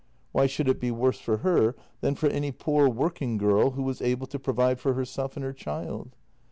Why should it be worse for her than for any poor working girl, who was able to provide for herself and her child?